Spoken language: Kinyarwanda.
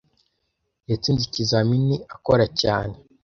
Yatsinze ikizamini akora cyane.